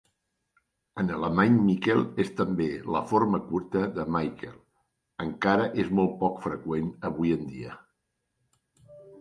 En alemany, "Michel" és també la forma curta de Michael, encara és molt poc freqüent avui en dia.